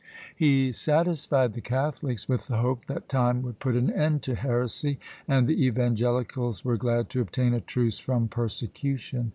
He satisfied the catholics with the hope that time would put an end to heresy, and the evangelicals were glad to obtain a truce from persecution.